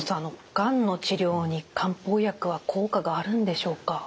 がんの治療に漢方薬は効果があるんでしょうか？